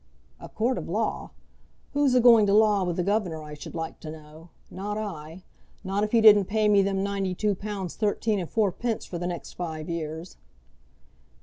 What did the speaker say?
"A court of law? Who's a going to law with the governor, I should like to know? not I; not if he didn't pay me them ninety two pounds thirteen and fourpence for the next five years."